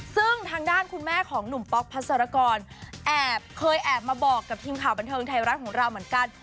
ซึ่งทางด้านคุณแม่ของหนุ่มป๊อกพัศรกรแอบเคยแอบมาบอกกับทีมข่าวบันเทิงไทยรัฐของเราเหมือนกัน